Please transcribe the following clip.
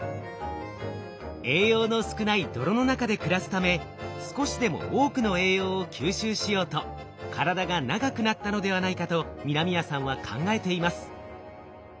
栄養の少ない泥の中で暮らすため少しでも多くの栄養を吸収しようと体が長くなったのではないかと南谷さんは考えています。